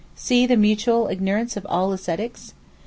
(See the mutual ignorance of all ascetics!)